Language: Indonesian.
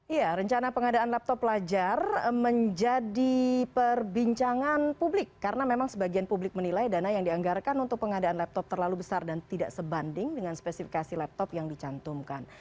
iya rencana pengadaan laptop pelajar menjadi perbincangan publik karena memang sebagian publik menilai dana yang dianggarkan untuk pengadaan laptop terlalu besar dan tidak sebanding dengan spesifikasi laptop yang dicantumkan